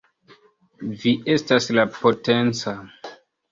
Vi estas la Potenca!